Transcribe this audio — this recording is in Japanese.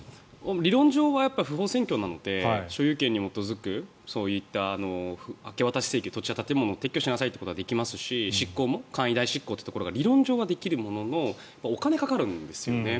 理論上は不法占拠なので所有権に基づくそういった明け渡し請求土地や建物を撤去しなさいということはできますし執行も、簡易代執行というのが理論上はできるもののお金がかかるんですよね。